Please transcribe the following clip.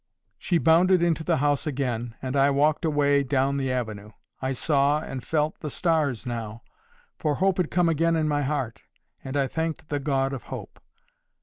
She bounded into the house again, and I walked away down the avenue. I saw and felt the stars now, for hope had come again in my heart, and I thanked the God of hope.